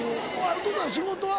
お父さん仕事は？